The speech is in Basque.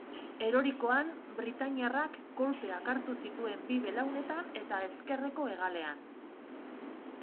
Erorikoan, britainiarrak kolpeak hartu zituen bi belaunetan eta ezkerreko hegalean.